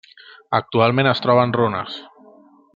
Actualment es troba en runes.